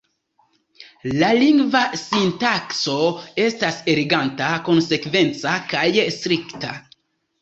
La lingva sintakso estas eleganta, konsekvenca kaj strikta.